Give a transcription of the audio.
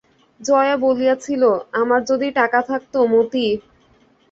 জয়া বলিয়াছিল, আমার যদি টাকা থাকত মতি!